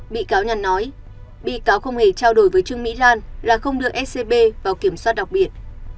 bị cáo nhàn nói bị cáo không hề trao đổi với trương mỹ lan là không đưa scb vào kiểm soát đặc biệt